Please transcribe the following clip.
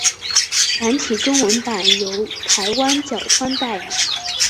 繁体中文版由台湾角川代理。